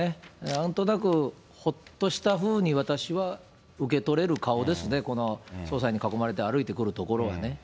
なんとなく、ほっとしたふうに私は受け取れる顔ですね、この捜査員に囲まれて歩いてくるところはね。